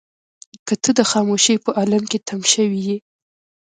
که ته د خاموشۍ په عالم کې تم شوې يې.